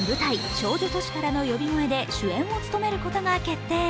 「少女都市からの呼び声」で主演を務めることが決定。